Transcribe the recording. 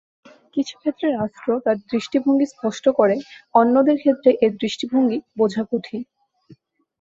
কিছু ক্ষেত্রে রাষ্ট্র তার দৃষ্টিভঙ্গি স্পষ্ট করে; অন্যদের ক্ষেত্রে, এর দৃষ্টিভঙ্গি বোঝা কঠিন।